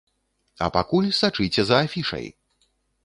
А пакуль сачыце за афішай!